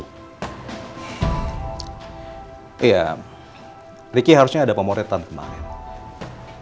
iya ricky harusnya ada pemotretan kemarin